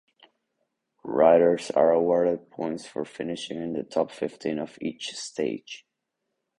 Riders are awarded points for finishing in the top fifteen of each stage.